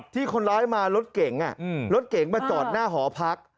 ที่คนร้ายมารถเก๋งรถเก๋งมาจอดหน้าหอพัก